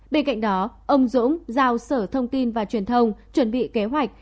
bên cạnh đó ông dũng giao sở thông tin và truyền thông chuẩn bị kế hoạch